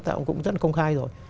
ta cũng rất là công khai rồi